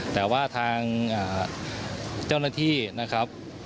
แต่ว่าทางเจ้าหน้าที่นะครับ